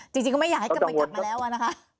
จริงก็ไม่อยากให้กลับมาแล้วอะนะคะ